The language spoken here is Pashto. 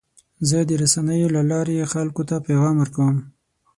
زه د رسنیو له لارې خلکو ته پیغام ورکوم.